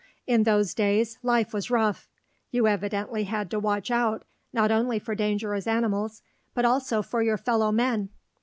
In those days life was rough. You evidently had to watch out not only for dangerous animals but also for your fellow men.